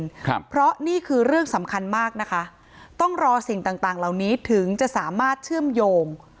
ครับเพราะนี่คือเรื่องสำคัญมากนะคะต้องรอสิ่งต่างต่างเหล่านี้ถึงจะสามารถเชื่อมโยง